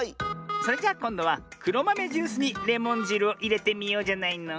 それじゃこんどはくろまめジュースにレモンじるをいれてみようじゃないの。